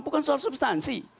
bukan soal substansi